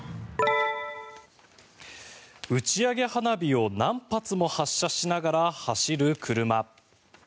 打ち上げ花火を何発も発射しながら走る車。